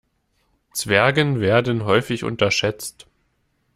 Zwergen werden häufig unterschätzt.